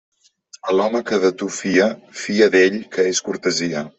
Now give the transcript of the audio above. A l'home que de tu fia, fia d'ell que és cortesia.